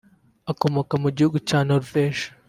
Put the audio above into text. Akomoka mu gihugu cya Norvège